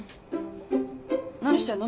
何してんの？